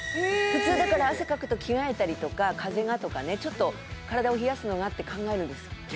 普通だから汗をかくと着替えたりとか風がとかねちょっと体を冷やすのがって考えるんです逆。